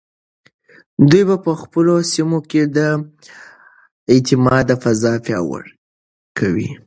دوی په خپلو سیمو کې د اعتماد فضا پیاوړې کوي.